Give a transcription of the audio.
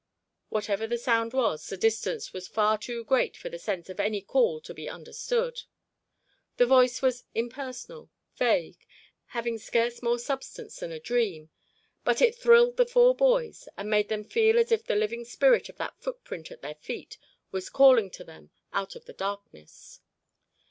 Whatever the sound was, the distance was far too great for the sense of any call to be understood. The voice was impersonal, vague, having scarce more substance than a dream, but it thrilled the four boys and made them feel as if the living spirit of that footprint at their feet was calling to them out of the darkness.